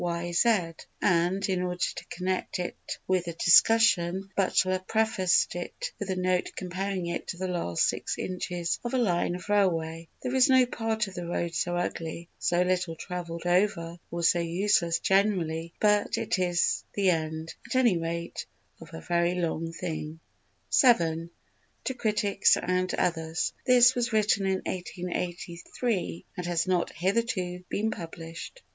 Y.Z._" and, in order to connect it with the discussion, Butler prefaced it with a note comparing it to the last six inches of a line of railway; there is no part of the road so ugly, so little travelled over, or so useless generally, but it is the end, at any rate, of a very long thing. vii. To Critics and Others. This was written in 1883 and has not hitherto been published.